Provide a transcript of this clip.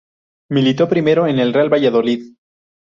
Militó primero en el Real Valladolid.